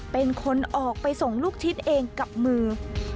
เป็นคนออกไปส่งลูกชิ้นเองกับมือ